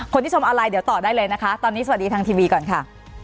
ชมออนไลน์เดี๋ยวต่อได้เลยนะคะตอนนี้สวัสดีทางทีวีก่อนค่ะ